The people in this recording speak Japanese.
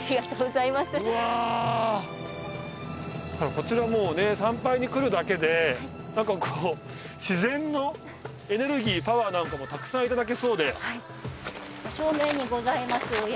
こちらもうね参拝に来るだけでなんかこう自然のエネルギーパワーなんかもたくさんいただけそうで。